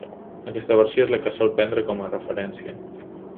Aquesta versió és la que sol prendre com a referència.